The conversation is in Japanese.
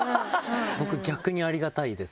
僕逆にありがたいです。